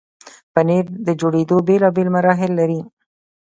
پنېر د جوړېدو بیلابیل مراحل لري.